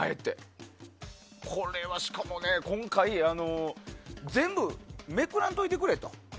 これは、しかも今回全部めくらんといてくれと。